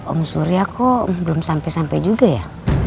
om surya kok belum sampai sampai juga ya